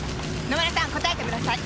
野村さん答えてください。